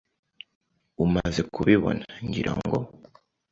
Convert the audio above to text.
Umaze kubibona, ngira ngo.